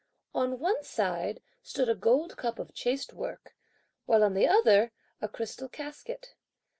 On one side stood a gold cup of chased work, while on the other, a crystal casket.